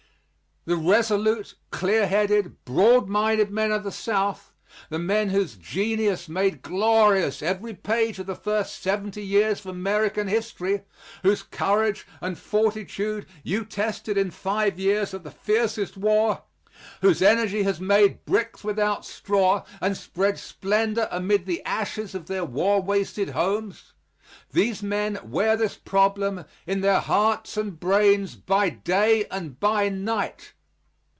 The resolute, clear headed, broad minded men of the South the men whose genius made glorious every page of the first seventy years of American history whose courage and fortitude you tested in five years of the fiercest war whose energy has made bricks without straw and spread splendor amid the ashes of their war wasted homes these men wear this problem in their hearts and brains, by day and by night.